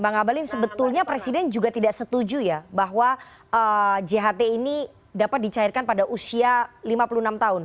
bang abalin sebetulnya presiden juga tidak setuju ya bahwa jht ini dapat dicairkan pada usia lima puluh enam tahun